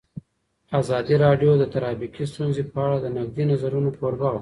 ازادي راډیو د ټرافیکي ستونزې په اړه د نقدي نظرونو کوربه وه.